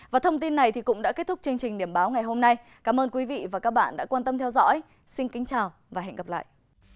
và thông tin này cũng đã kết thúc chương trình điểm báo ngày hôm nay cảm ơn quý vị và các bạn đã quan tâm theo dõi xin kính chào và hẹn gặp lại